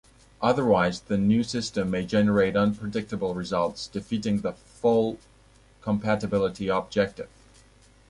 Otherwise, the new system may generate unpredictable results, defeating the full compatibility objective.